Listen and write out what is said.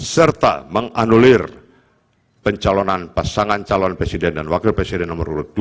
serta menganulir pencalonan pasangan calon presiden dan wakil presiden nomor urut dua